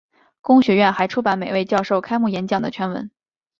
公学院还出版每位教授开幕演讲的全文。